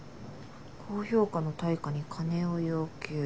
「高評価の対価に金を要求。